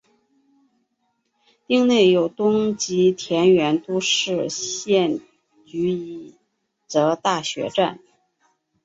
町内有东急田园都市线驹泽大学站。